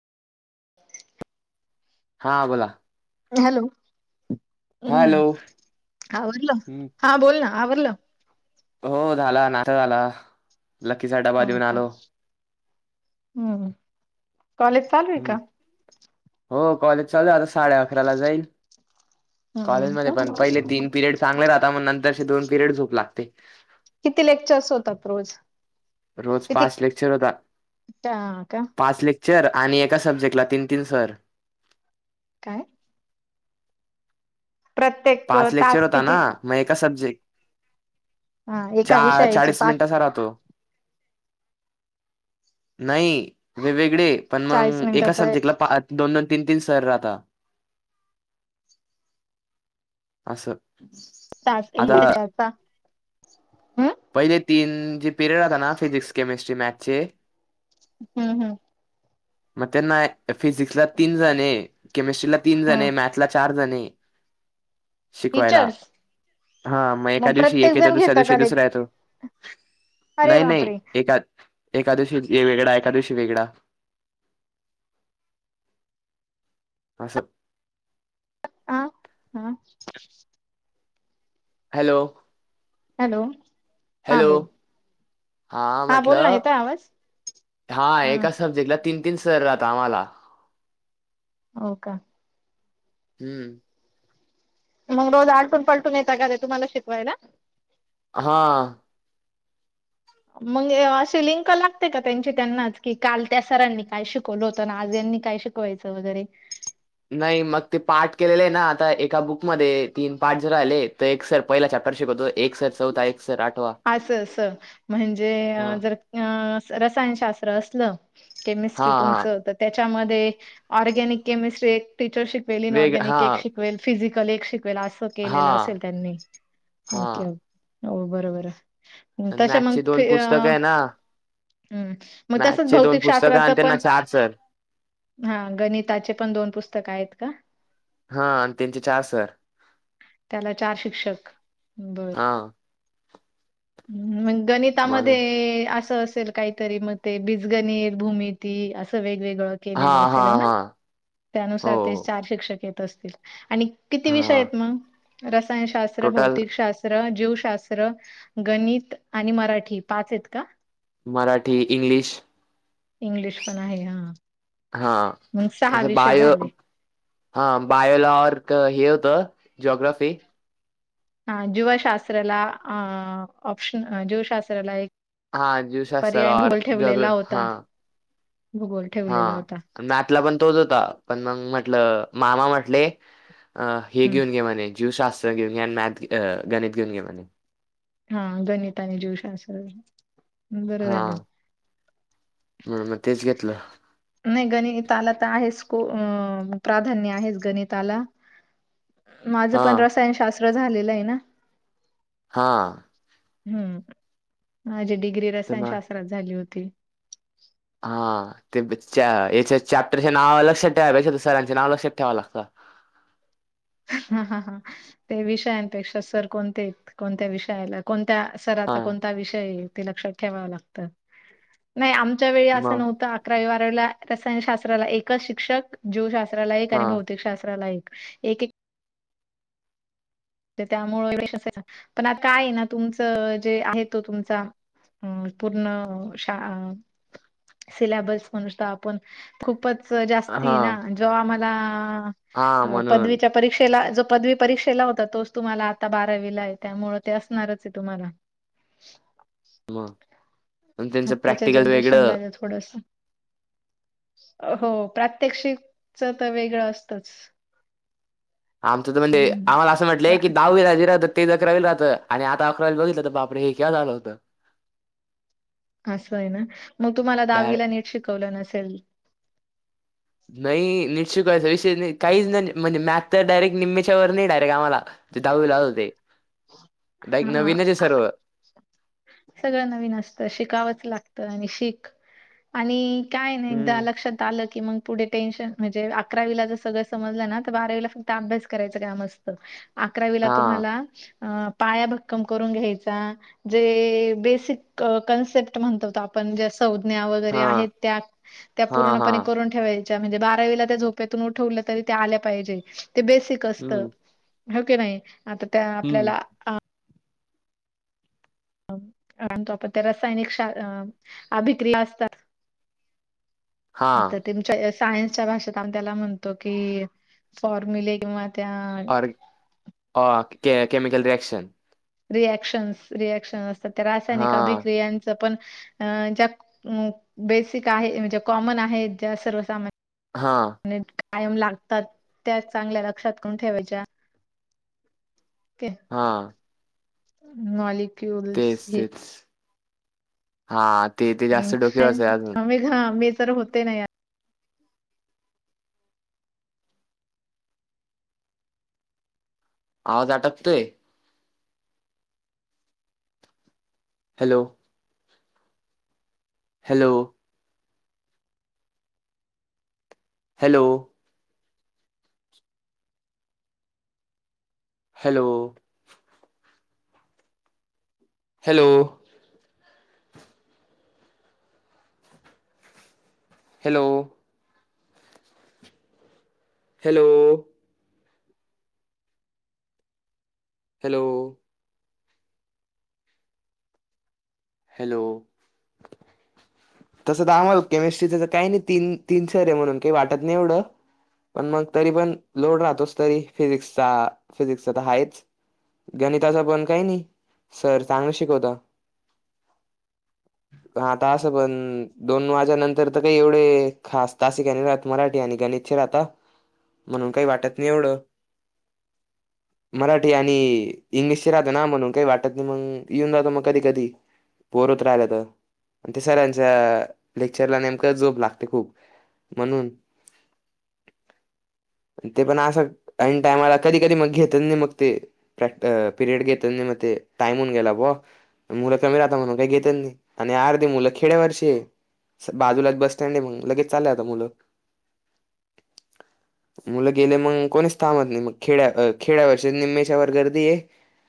हा बोला. हॅलो, हम हॅलो आवरल? हं. हा बोल ना आवरल. हो झाला, नाष्टा झाला. लखी झाड हो का, हम् कॉलेज चालू आहे हम का हो कॉलेज चालू आहे आता साडे अकराला जाईल. हम्म कॉलेजमध्ये का पण पहिले तीन पिरियड चांगले राहताात, मग नंतरसे दोन पिरियड झोप लागते. किती लेक्चर्स होतात रोज. रोज किती पाच लेक्चर होता हा का पाच लेक्च. चर आणि एका सब्जेक्ट ला तीन तीन सर. काय? प्रत्येक पाच लेक्चर तास होता ना किती मग एका सब्जेक्ट. हा एका विषयाचे चाळीस पाच मिनिटचा राहतो. नाही वेग वेगळे पण चाळीस मग एका मिनिटाचा सबजेक्टला दोन दोन तीन तीन सर राहता. अस. [unintelligible] हम्म पहिले तीन जे पिरियड होता ना फिजिक्स केमिस्ट्री मॅथ चे. हम् हम्. मग त्यांना फिजिक्सला तीन जण केमिस्ट्रीला तीन हम्म जण मॅथ. ला चार जणे. शिकवायला टीचर्स हा मग एका दिवशी प्रत्येक एक येतो जण दुसऱ्या घेता दिवशी का लेक दुसरा येतो. अरे नाही नाही बापरे एका एका दिवशी वेगळा एका दिवशी वेगळा. अस. [unintelligible] हॅलो. हॅलो. हा हॅलो बोल हा म्हटल. बोल ना येतोय आवाज हा एका सब्जेक्टला तीन तीन सर राहत आम्हाला. हो का. हम्म. मग रोज आलटून पालटून येत कारे तुम्हाला शिकवायला. हा. मग अशी लिंक लागते का त्यांची त्यांनाच की काल त्या, सरांनी काय शिकवलं होतं ना आज यांनी काय शिक वायाच वेगरे. नाही मग ते पार्ट केलेले आहे ना आता एका बुकमध्ये तीन पार्ट जर राहिले तर एक सर. पहिला चॅप्टर शिकवतो एक सर चौथ एक सर आठ असं अस म्हणजे हा जर रसायनशास्त्र असलं. हा केमिस्ट्री तुमच हा तर त्याच्यामध्ये ऑर्गॅनिक केमिस्ट्री एक टीचर शिक वेग हा ऑर्गॅनिक एक शिकवेल फिजिकल एक शिकवेल असं. हा केलेलं असेल त्यांनी हा ओके बरोबर. तस मॅथचे मग दोन अ पुस्तकं आहे ना हम्. मग तसच मॅथचे दोन पुस्तकं भौतिकशास्त्राचं आणि त्यांना पण. चार सर हा गणिताचे पण दोन पुस्तक आहेत का. हा आणि त्यांचे चार सर त्याला चार शिक्षक बर. हा मग म्हणून गणितामध्ये असं असेल. काहीतरी मग ते बिजगणित भूमीती असं वेगवेगळं. हा केलेल हा असेल होना हा हो त्यानुसार ते. हो शिक्षक येत असतील आणि किती विषय हा आहेत मग रसायनशास्त्र, टोटल भौतिकशास्त्र. जीवशास्त्र, गणित आणि मराठी पाच आहेत का. मराठी, इंग्लिश. इंग्लिश पण आहे हा हा मग सहा तसं विषय बाय- झाले. हा बायोल ऑर हे होतं जोग्रोफी हा जीवशास्त्रला अ ऑपशन अ जीवशास्त्राला एक हा पर्याय जीवशास्त्रला ऑर भूगोल ठेवलेला जोग्रो हा होता. भूगोल हा ठेवलेला होता. मॅथ ला पण तोच होता पण मग म्हटलं मामा म्हटले अ हे हम्म घेऊन घे म्हणे जीवशास्त्र घेऊन घे आणि मॅथ गणित घेऊन घे म्हणे हा गणित आणि जीवशास्त्र बरं हा झालं. म्हणून मग तेच घेतलं नाही गणिताला त आहेच को प्राधान्य आहेच गणिताला माझं हा पण रसायनशास्त्र झालेलं आहे ना हा हम्म माझी डिग्री ते मग रसायनशास्त्रात झाली होती हा ते प च्या- याच्या चॅप्टरच्या नाव लक्षात ठेवापेक्षा पुस्तकांचे नाव लक्षात ठेवा लागतात हा- हा -हा ते विषयांपेक्षा सर कोणते कोणत्या विषयाला कोणत्या हा सराचा कोणता विषय ते लक्षात ठेवावं लागत नाही आमच्या वेळी असं मग नव्हतं अकरावी बारावीला रसायनशास्त्राला एकच शिक्षक जीवशास्त्राला एक हा आणि भौतिकशास्त्राला एक एक एक त्यामुळ पण आ काय ना तुमचं जे हे तो तुमचा अ पूर्ण शा अ सिलेबस म्हणस आपण खूपच जास्ती हा ना जेव्हा आमला हा म्हणून पदवीच्या परीक्षेला जो पदवी परीक्षेला होता तोच तुम्हाला आता बारावीला आहे त्यामुळ ते असणारच आहे तुम्हाला मग- आणि त्याच आत्ताच्या प्रॅक्टिकल वेगळं जनरेशनला ते थोडस अहो प्रात्यक्षिक च त वेगळं असतच आमचं तर म्हणजे, आम्हाला असं म्हटले की दहावी राजी राहतात तेच अकरावीला राहतात आणि आता अकरावीला बघितलं बापरे हे क्या झालं होतं आसं आहे ना, मग तुम्हाला डाय दहावीला नीट शिकवलं नसेल नाही निट शिकवायचा विषय नाही काहीच म्हणजे मैंथ तर डायरेक्ट निम्मेच्या वर नाही डायरेक्ट आम्हाला ते दहावी ला होत ते हा सगळं नवीन असतं शिकावंच लागतं आणि शीख आणि काय ना एकदा हम्म लक्षात आलं की मग पुढे टेन्शन म्हणजे अकरावीला जर सगळं समजलं ना तर बारावीला फक्त अभ्यास करायचं काम असत अकरावीला हा तुम्हाला अ पाया भक्कम करून घ्यायचा जे बेसिक अ कॉन्सेप्ट म्हणतोत आपण जे संज्ञा वगैरे हा आहेत त्या हा हा पूर्णपने करून ठेवायच्या म्हणजे बारावीला त्या झोपतून उठवलं तरी त्या आल्या पाहिजे ते बेसिक असत हम्म हो की नाही आता त्या हम्म आपल्याला आ आनतो आपण ते रासायनिक शा अ अभिक्रिया असतात हां. आता तच्या सायन्सच्या भाषेत आम त्याला म्हणतो कि फॉर्म्युले किंवा त्यान अ के केमिकल रिएक्शन रिएक्शन्स- रिॲक्शन असतात त्या रासायनिक हां, अभिक्रियांच पण अ ज्या मक बेसिक आहे म्हणजे कॉमन आहे ज्या सर्वसामान हा. नि कायम लागतात त्या चांगल्या लक्षात करून ठेवायच्या. के हा नॉले तेच तेच हा ते ते जास्त डोक्यावरच आहे अजून. म हा मी तर होते ना या आवाज आटकतोय. Hello. Hello. Hello. Hello. Hello. Hello. Hello. Hello. Hello. तसं तर आमल केमिस्ट्रीच काही नाही तीन तीन सर आहे म्हणून काही वाटत नाही एवढं. पण मग तरी पण लोड राहतोस तरी फिजिक्सचा फिजिक्सचा तर हायच. गणिताचा पण काही नाही सर चांगलं शिकवता. हम्. आता असं पण दोन वाज्या नंतर तर काही एवढे खास तास हे राहत मराठी आणि गणितं चे राहता म्हणून काही वाटत नाही एवढं. मराठी आणि इंग्लिशचे राहत ना म्हणून काही वाटत नाही मग येऊन जहतो मग कधी कधी. बोर होत राहिलं तर आणि ते सरांच्या लेक्चरला नेमक जोप लागते खूप. म्हणून. ते पण असं आईन टायमाला कधी कधी मग घेत नाही मग ते. प्रॅक् पिरियड घेत नाही मग ते टाम होऊ गेला बुआ [unintelligible] म्हणून काय घेत नाही आणि अर्धी मुलं खेड्यावरची हे. बाजूला एक बस्टँड आहे मग लगेच चालले आता मुलं. मुलं गेले मग कोणीच थांबत नाही म खेड्या खेड्यावरचे निम्मेच्यावर गर्दी आहे.